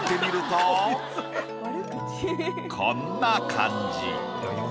こんな感じ。